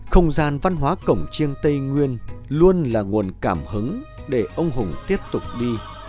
không gian văn hóa cổng chiêng tây nguyên luôn là nguồn cảm hứng để ông hùng tiếp tục đi